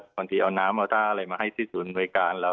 บางทีเอาน้ำเอาท่าอะไรมาให้ศิษฐ์ศูนย์โดยการ